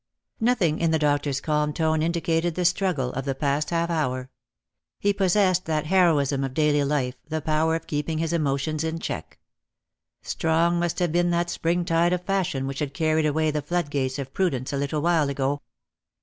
Nothing in the doctor's calm tone indicated the struggle of the past half hour. He possessed that heroism of daily life, the power of keeping his emotions in check. Strong must have been that spring tide of passion which had carried away the floodgates of prudence a little while ago.